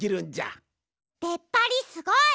でっぱりすごい！